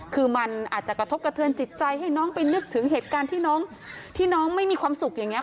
คือมันอาจจะกระทบกระเทือนจิตใจให้น้องไปนึกถึงเหตุการณ์ที่น้องที่น้องไม่มีความสุขอย่างนี้